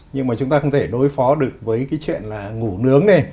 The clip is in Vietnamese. nhưng mà chúng ta không thể đối phó được với cái chuyện là ngủ nướng này